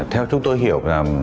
theo chúng tôi hiểu là